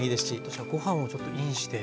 私はご飯をちょっとインして。